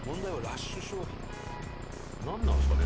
なんなんですかね